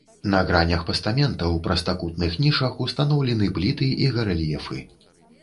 На гранях пастамента ў прастакутных нішах устаноўлены пліты і гарэльефы.